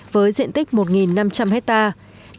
với diện tích một năm trăm linh hectare